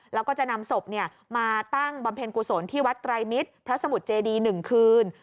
แล้วก็จะนำศพมาตั้งบำเพ็ญกุศลที่วัดไตรมิตรพระสมุทรเจดี๑คืน